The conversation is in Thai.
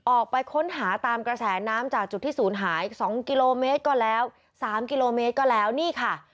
ออกไปค้นหาตามกระแสน้ำจากจุดที่ศูนย์หาย๒กิโลเมตรก็แล้ว๓กิโลเมตรก็แล้วนี่ค่ะ